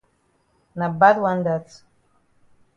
Na bad wan dat.